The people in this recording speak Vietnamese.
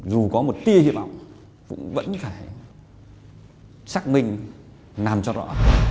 dù có một tia hi vọng vũ vẫn phải xác minh làm cho rõ